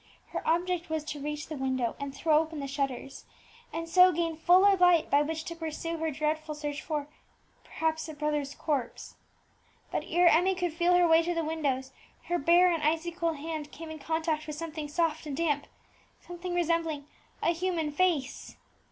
Her object was to reach the window and throw open the shutters, and so gain fuller light by which to pursue her dreadful search for perhaps a brother's corpse! But ere Emmie could feel her way to the window, her bare and icy cold hand came in contact with something soft and damp something resembling a human face!